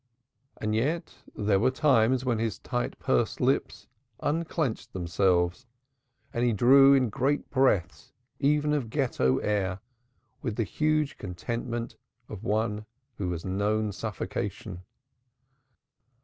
And yet there were times when his tight pursed lips unclenched themselves and he drew in great breaths even of Ghetto air with the huge contentment of one who has known suffocation.